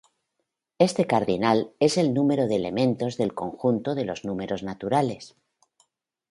Este cardinal es el número de elementos del conjunto de los números naturales.